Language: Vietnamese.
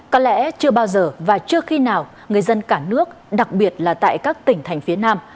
có lẽ chưa bao giờ và chưa khi nào người dân cả nước đặc biệt là tại các tỉnh thành phía nam